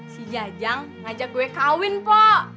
si jajang ngajak gue kawin pak